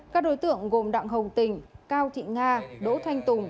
các đối tượng gồm đặng hồng tình cao thị nga đỗ thanh tùng